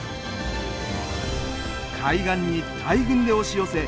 海岸に大群で押し寄せ